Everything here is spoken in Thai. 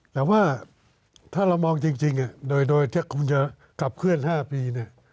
แต่ว่าถ้าเรามองจริงโดยถ้าคุณจะกลับเคลื่อน๕ปี